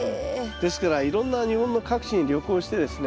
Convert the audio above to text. ですからいろんな日本の各地に旅行してですね